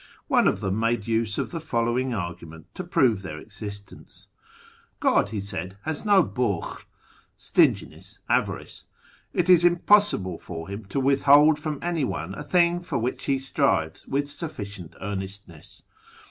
One of them made use of the following argument to prove their existence :—" God," he said, " has no hvJM (stinginess, avarice) : it is impossible for Him to withhold from anyone a thincf for which he strives with sufficient earnestness.